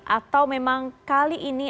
atau memang kali ini